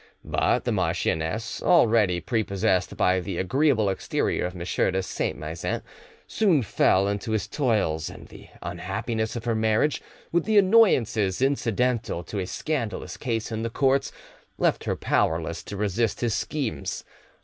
But the marchioness, already prepossessed by the agreeable exterior of M. de Saint Maixent, soon fell into his toils, and the unhappiness of her marriage, with the annoyances incidental to a scandalous case in the courts, left her powerless to resist his schemes.